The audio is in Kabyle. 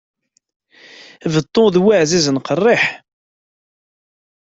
Beṭṭu d waɛzizen, qeṛṛiḥ.